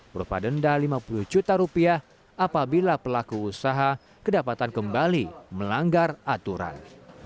berupa denda lima puluh juta rupiah apabila pelaku usaha kedapatan kembali melanggar aturan